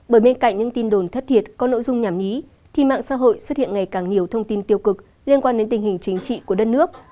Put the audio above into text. bởi bên cạnh những tin đồn thất thiệt có nội dung nhảm nhí thì mạng xã hội xuất hiện ngày càng nhiều thông tin tiêu cực liên quan đến tình hình chính trị của đất nước